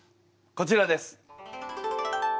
こちらです。